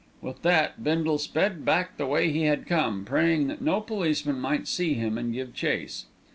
With that, Bindle sped back the way he had come, praying that no policeman might see him and give chase.